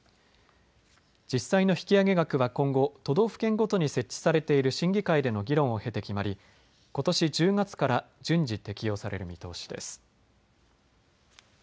実際の引き上げ額は今後、都道府県ごとに設置されている審議会での議論を経て決まりことし１０月から順次、適用される見通しです。